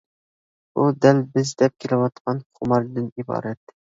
بۇ دەل بىز دەپ كېلىۋاتقان خۇماردىن ئىبارەت.